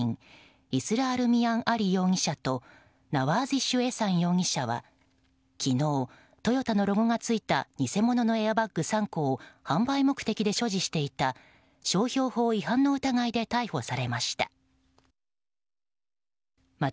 イスラール・ミアン・アリ容疑者とナワーズィッシュ・エサン容疑者は昨日、トヨタのロゴが付いた偽物のエアバッグ３個を販売目的で所持していた商標法違反の疑いで逮捕されました。